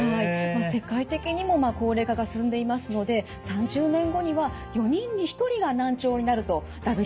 世界的にも高齢化が進んでいますので３０年後には４人に１人が難聴になるとＷＨＯは予測しています。